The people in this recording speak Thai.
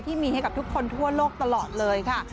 ที่มีให้กับทุกคนทั่วโลกตลอดเลยค่ะ